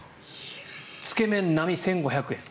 つけ麺、並１５００円。